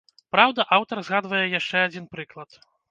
Праўда, аўтар згадвае яшчэ адзін прыклад.